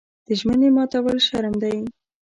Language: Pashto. د ژمنې ماتول شرم دی.